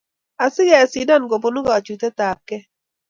Asike sindan kobunu kachutet ab ke